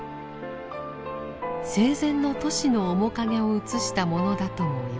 生前のトシの面影を写したものだともいわれています。